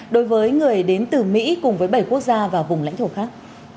đối với người đến từ mỹ cùng với bảy quốc gia và vùng lãnh thổ khác